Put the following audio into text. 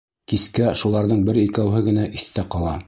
Кискә шуларҙың бер-икәүһе генә иҫтә ҡала.